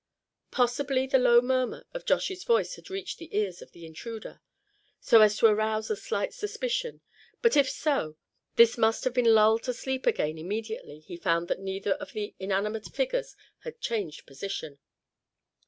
Possibly the low murmur of Josh's voice had reached the ears of the intruder, so as to arouse a slight suspicion; but if so, this must have been lulled to sleep again immediately he found that neither of the inanimate figures had changed position.